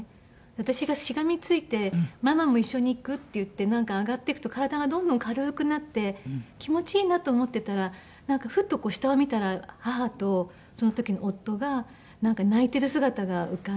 私がしがみついて「ママも一緒に行く」って言ってなんか上がっていくと体がどんどん軽くなって気持ちいいなと思ってたらなんかフッと下を見たら母とその時の夫が泣いてる姿が浮かんで。